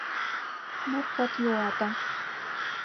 Мыр хэт иуата?